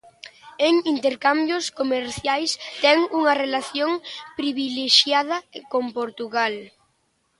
En intercambios comerciais ten unha relación privilexiada con Portugal.